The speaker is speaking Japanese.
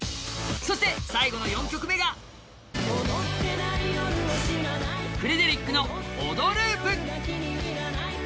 そして最後の４曲目がフレデリックの「オドループ」